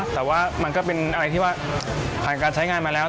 แต่ว่ามันก็เป็นอะไรที่ว่าผ่านการใช้งานมาแล้ว